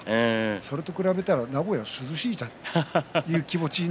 それと比べたら名古屋涼しいじゃんという気持ちに